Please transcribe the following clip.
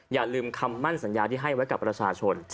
อย่าลืมคำมั่นสัญญาที่ให้ไว้กับประชาชน